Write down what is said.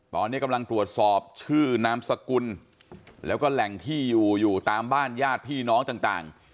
ตอนนี้กำลังตรวจสอบชื่อนามสกุลแล้วก็แหล่งที่อยู่อยู่ตามบ้านญาติพี่น้องต่าง